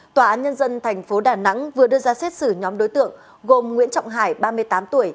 tòa án nhân dân tp đà nẵng vừa đưa ra xét xử nhóm đối tượng gồm nguyễn trọng hải ba mươi tám tuổi